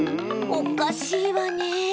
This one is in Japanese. おかしいわね。